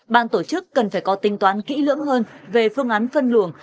bạn tổ chức cần phải có tinh toán kỹ lưỡng hơn về phương án phân luồng